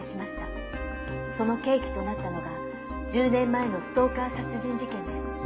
その契機となったのが１０年前のストーカー殺人事件です。